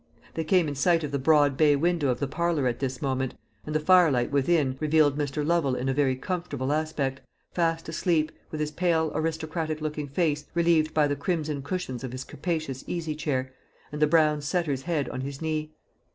They came in sight of the broad bay window of the parlour at this moment, and the firelight within revealed Mr. Lovel in a very comfortable aspect, fast asleep, with his pale aristocratic looking face relieved by the crimson cushions of his capacious easy chair, and the brown setter's head on his knee.